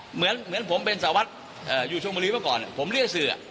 เหมือนผมเป็นสาวรัฐอยู่ชวมบนลีพก่อนผมเรียกเสือ